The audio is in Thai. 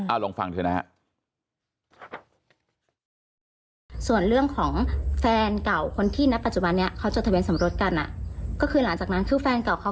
อะลองฟังเถอะนะฮะ